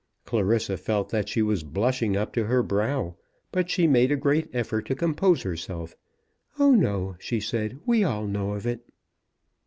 Clarissa felt that she was blushing up to her brow, but she made a great effort to compose herself. "Oh, no," she said, "we all know of it."